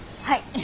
はい。